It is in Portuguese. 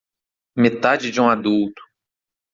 Metade de um adulto